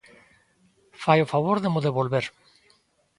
Fai o favor de mo devolver!